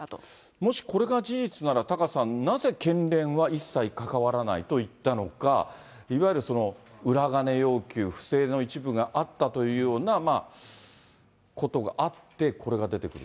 もしこれが事実なら、タカさん、なぜ、県連は一切関わらないと言ったのか、いわゆる裏金要求、不正の一部があったというようなことがあって、これが出てくる。